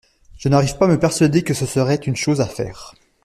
Je n’arrive pas à me persuader que ce serait une chose à faire.